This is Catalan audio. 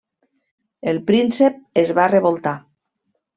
El príncep es va revoltar.